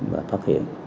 và phát hiện